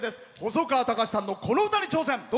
細川たかしさんの、この歌に挑戦。